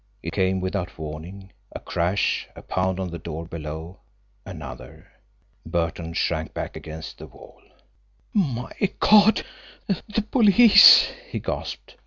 It came without warning a crash, a pound on the door below another. Burton shrank back against the wall. "My God! The police!" he gasped.